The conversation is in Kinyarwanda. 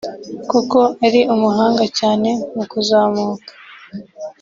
kuko ari umuhanga cyane mu kuzamuka